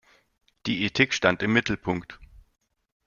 Die Ethik stand im Mittelpunkt.